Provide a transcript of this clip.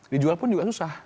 dijual pun juga susah